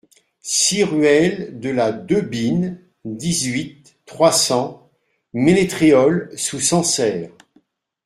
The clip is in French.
six ruelle de la Debine, dix-huit, trois cents, Ménétréol-sous-Sancerre